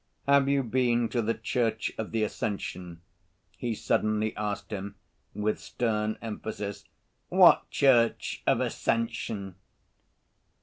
"Have you been to the Church of the Ascension?" he suddenly asked him, with stern emphasis. "What Church of Ascension?